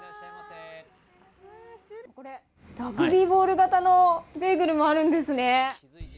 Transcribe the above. ラグビーボール形のベーグルもあるんですね。